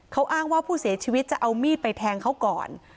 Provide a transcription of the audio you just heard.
เขาอ้างว่าผู้เสียชีวิตจะเอามีดไปแทงเขาก่อน